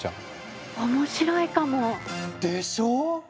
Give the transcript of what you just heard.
面白いかも。でしょ。